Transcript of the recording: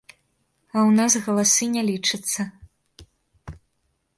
А ў нас галасы не лічацца.